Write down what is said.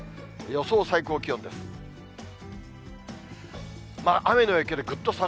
予想最高気温です。